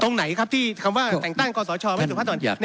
ตรงไหนครับที่คำว่าแต่งตั้งกศชไม่สุภาพตอนเหยีย